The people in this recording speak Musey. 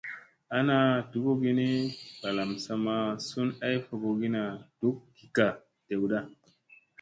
Ana dugugi ni balam sa ma sun ay fogogina duk ngikka dewda.